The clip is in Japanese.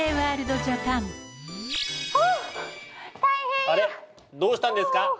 あれどうしたんですか？